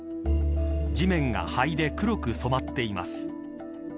地面が灰で黒く染まっています。